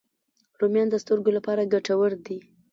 رومیان د سترګو لپاره ګټور دي